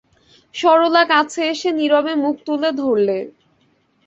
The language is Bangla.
সরলা কাছে এসে নীরবে মুখ তুলে ধরলে।